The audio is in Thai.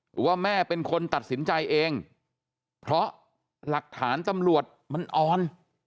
ว่าแม่เป็นคนตัดสินใจเองเพราะหลักฐานตำรวจมันออน